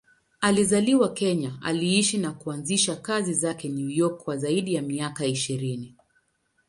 Alizaliwa Kenya, aliishi na kuanzisha kazi zake New York kwa zaidi ya miaka ishirini.